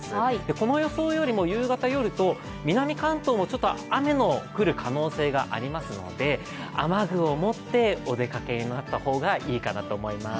この予想よりも夕方夜と南関東も雨の降る可能性がありますので、雨具を持ってお出かけになった方がいいかなと思います。